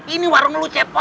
ini warung lo cepet